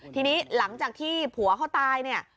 ทีนี้หลังจากที่ผัวเขาตายเนี่ย